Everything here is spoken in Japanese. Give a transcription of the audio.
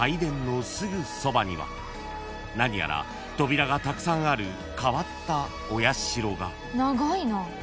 ［何やら扉がたくさんある変わったお社が］